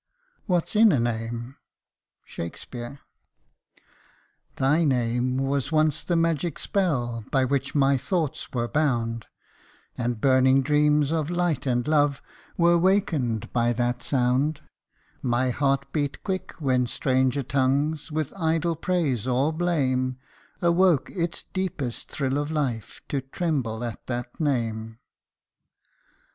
What 's in a name ?" SHAKSPEARE. THY name was once the magic spell, by which my thoughts were bound, And burning dreams of light and love were wakened by that sound; My heart beat quick when stranger tongues, with idle praise or blame, Awoke its deepest thrill of life, to tremble at that name.